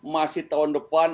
masih tahun depan